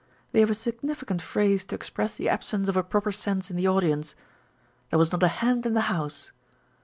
They have a significant phrase to express the absence of a proper sense in the audience â€" " There was not a hand in the house."